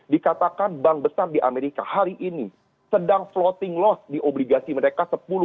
dikatakan bank besar di amerika hari ini sedang floating loss di obligasi mereka